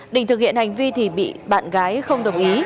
đình thực hiện hành vi thì bị bạn gái không đồng ý